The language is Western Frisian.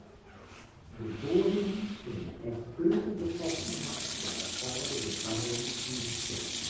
De boarringen soene ek grutte gefolgen ha foar de âlde gebouwen yn de stêd.